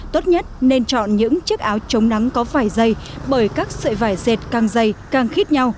tốt nhất nên chọn những chiếc áo chống nắng có vải dày bởi các sợi vải dệt càng dày càng khít nhau